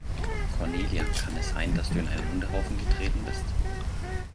Cornelia, kann es sein, dass du in einen Hundehaufen getreten bist?